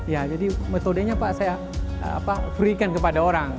nah jadi metodenya saya free kan kepada orang